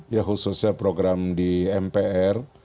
ya khususnya program di mpr